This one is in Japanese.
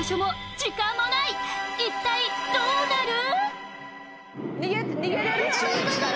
一体どうなる？